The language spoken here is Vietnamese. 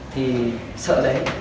thì sợ đấy